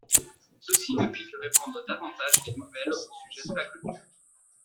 Ceci ne fit que répandre davantage les nouvelles au sujet de la clôture.